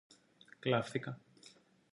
κλαύθηκα.